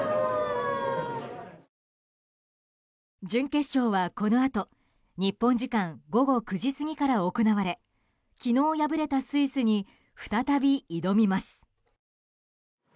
準決勝は、このあと日本時間午後９時過ぎから行われ昨日、敗れたスイスに再び挑みます。